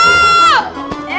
tuh liat panggilan gua